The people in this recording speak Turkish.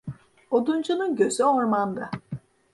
Oduncunun gözü ormanda.